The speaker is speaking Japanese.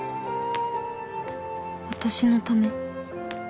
私のため？